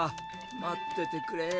待っててくれ。